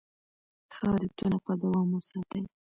ښه عادتونه په دوام وساتئ.